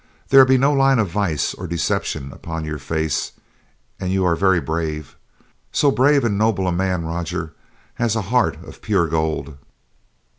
There be no line of vice or deception upon your face and you are very brave. So brave and noble a man, Roger, has a heart of pure gold."